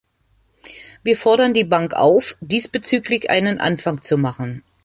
Wir fordern die Bank auf, diesbezüglich einen Anfang zu machen.